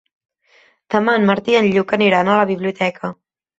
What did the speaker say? Demà en Martí i en Lluc aniran a la biblioteca.